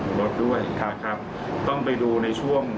รถด้วยนะครับต้องไปดูในช่วง